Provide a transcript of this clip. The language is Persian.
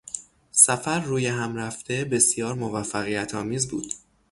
سفر رویهم رفته بسیار موفقیتآمیز بود.